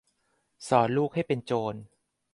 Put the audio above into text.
สอนลูกให้เป็นโจร